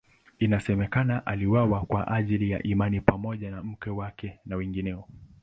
Inasemekana aliuawa kwa ajili ya imani pamoja na mke wake na wengineo.